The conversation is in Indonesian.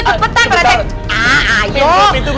belum pintu belum pintu